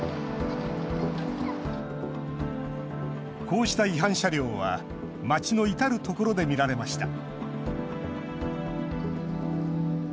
こうした違反車両は街の至る所で見られました。